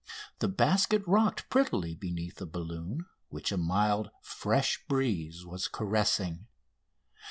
The basket rocked prettily beneath the balloon, which a mild, fresh breeze was caressing.